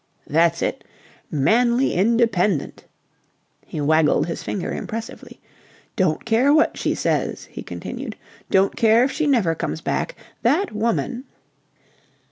"That's it. Manly independent." He waggled his finger impressively. "Don't care what she says," he continued. "Don't care if she never comes back. That woman..."